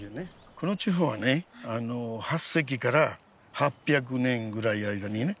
この地方はね８世紀から８００年ぐらい間にね